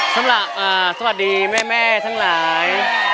สำหรับสวัสดีแม่แม่ทั้งหลาย